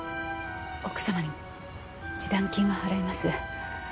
奥様に示談金は払います。